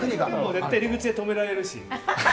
絶対入り口で止められるし。